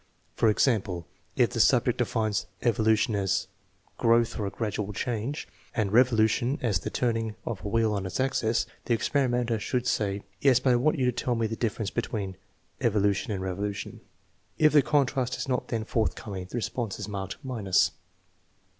For example, if the subject defines evolution as a " growth " or " gradual change," and revolu tion as the turning of a wheel on its axis, the experimenter should say: " Yes, but I want you to tell me the difference between evolution and revolution." If the contrast is not then forthcoming the response is marked minus.